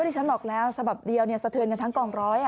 ที่ฉันบอกแล้วสะบับเดียวเนี่ยสะเทินกันทั้งกองร้อยอะ